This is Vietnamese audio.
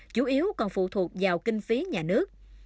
chủ yếu còn phụ thuộc vào kinh phí nhà nước